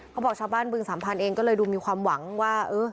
เขาบอกชาวบ้านบึงสัมพันธ์เองก็เลยดูมีความหวังว่า